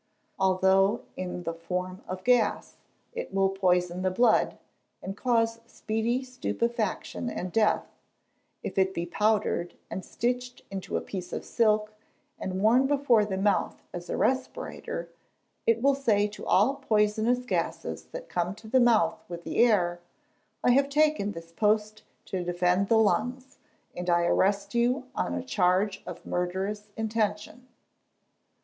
Although, in the form of gas, it will poison the blood, and cause speedy stupefaction and death; if it be powdered, and stitched into a piece of silk, and worn before the mouth as a respirator, it will say to all poisonous gases that come to the mouth with the air, "I have taken this post to defend the lungs, and I arrest you, on a charge of murderous intention."